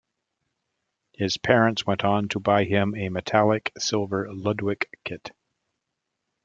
His parents went on to buy him a metallic silver Ludwig kit.